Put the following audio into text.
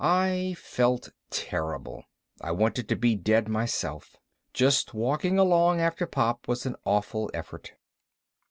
I felt terrible. I wanted to be dead myself. Just walking along after Pop was an awful effort.